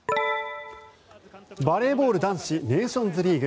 バレーボール男子ネーションズリーグ。